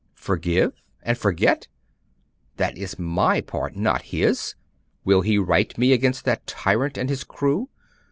'Forgive and forget? That is my part not his. Will he right me against that tyrant and his crew?